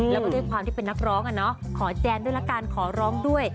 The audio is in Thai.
แล้วก็ด้วยความที่เป็นนักร้องขอแจนด้วยละกันขอร้องด้วย